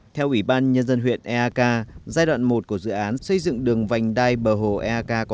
theo ủy ban nhân dân huyện eak giai đoạn một của dự án xây dựng đường vành đai bờ hồ eak